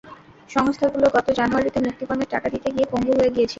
সংস্থাগুলো গত জানুয়ারিতে মুক্তিপণের টাকা দিতে গিয়ে পঙ্গু হয়ে গিয়েছিল।